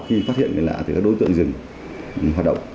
khi phát hiện người lạ thì các đối tượng rừng hoạt động